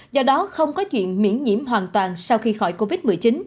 do đó không có chuyện miễn nhiễm hoàn toàn sau khi khỏi covid một mươi chín